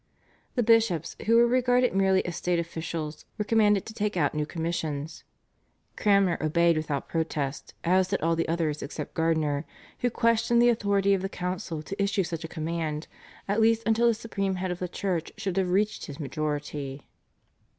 The bishops, who were regarded merely as state officials, were commanded to take out new commissions. Cranmer obeyed without protest, as did all the others except Gardiner, who questioned the authority of the council to issue such a command at least until the supreme head of the Church should have reached his majority.